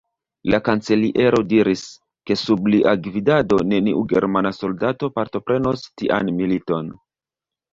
La kanceliero diris, ke sub lia gvidado neniu germana soldato partoprenos tian militon.